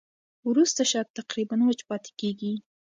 وروسته شات تقریباً وچ پاتې کېږي.